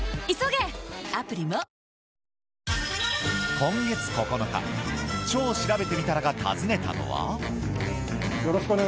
今月９日「超しらべてみたら」が訪ねたのは。